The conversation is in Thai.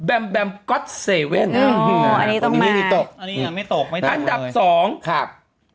อันดับ๒